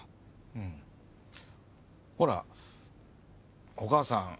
うんほらお母さん